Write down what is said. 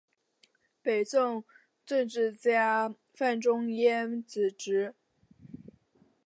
北宋政治家范仲淹子侄。